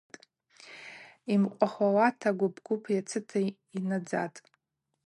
Йымкъвахуата гвып-гвып йацыта йнайззатӏ.